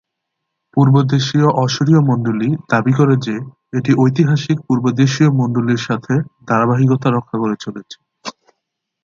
পূর্বদেশীয় অশূরীয় মণ্ডলী দাবি করে যে এটি ঐতিহাসিক পূর্বদেশীয় মণ্ডলীর সাথে ধারাবাহিকতা রক্ষা করে চলেছে।